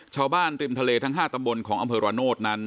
ชาวบ้านริมทะเลทั้ง๕ตำบลของอำเภอระโนธนั้น